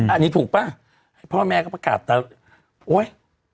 อันนี้ถูกป่ะพ่อแม่ก็ประกาศแต่โอ๊ย